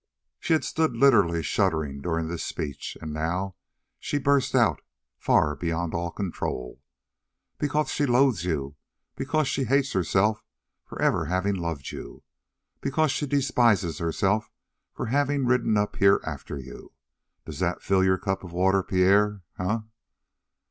She had stood literally shuddering during this speech, and now she burst out, far beyond all control: "Because she loathes you; because she hates herself for ever having loved you; because she despises herself for having ridden up here after you. Does that fill your cup of water, Pierre, eh?"